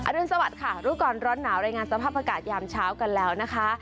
รุนสวัสดิ์ค่ะรู้ก่อนร้อนหนาวรายงานสภาพอากาศยามเช้ากันแล้วนะคะ